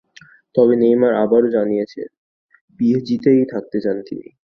তবে নেইমার আবারও জানিয়েছেন, পিএসজিতেই থাকতে চান তিনি।